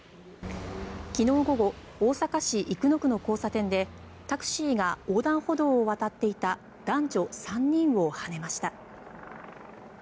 昨日午後大阪市生野区の交差点でタクシーが横断歩道を渡っていた男女３人をはねました。